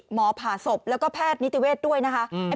หมอผ่าศพและแพทย์นิติเวศด้วยนะคะ